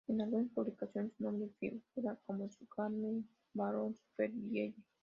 En algunas publicaciones su nombre figura como Suzanne Baron Supervielle.